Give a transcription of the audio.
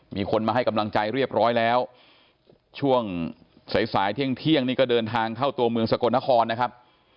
มีคนมาให้กำลังใจเรียบร้อยแล้วช่วงสายสายเที่ยงนี่ก็เดินทางเข้าตัวเมืองสกลนครนะครับ